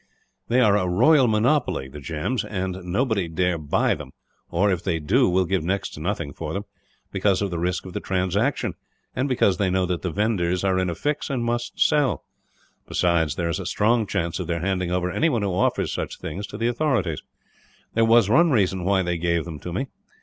They are a royal monopoly, and nobody dare buy them or, if they do, will give next to nothing for them; because of the risk of the transaction, and because they know that the vendors are in a fix, and must sell. Besides, there is a strong chance of their handing over anyone who offers such things to the authorities. That was one reason why they gave them to me.